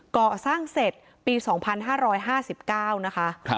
ก่อสร้างเสร็จปี๒๕๕๙นะคะ